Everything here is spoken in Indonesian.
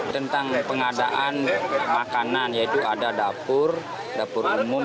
tentang pengadaan makanan yaitu ada dapur dapur umum